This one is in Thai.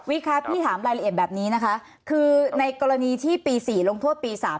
คะพี่ถามรายละเอียดแบบนี้นะคะคือในกรณีที่ปี๔ลงโทษปี๓